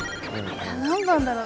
何番だろう。